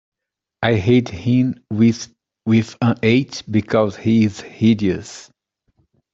I hate him with an H, because he is Hideous.